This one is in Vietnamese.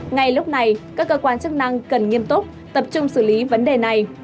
ngay lúc này các cơ quan chức năng cần nghiêm túc tập trung xử lý vấn đề này